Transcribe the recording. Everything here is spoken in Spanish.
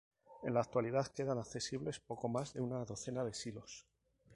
En la actualidad quedan accesibles poco más de una docena de silos.